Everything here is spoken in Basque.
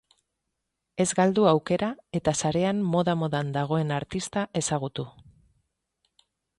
Ez galdu aukera eta sarean moda-modan dagoen artista ezagutu.